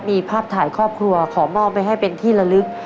มีภาพถ่ายครอบครัวขอมอบไว้ให้เป็นที่ละลึก